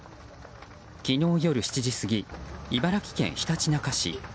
昨日夜７時過ぎ茨城県ひたちなか市。